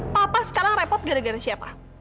papa sekarang repot gara gara siapa